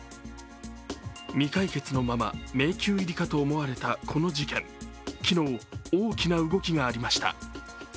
未解決のまま迷宮入りかと思われたこの事件、昨日、大きな動きがありました。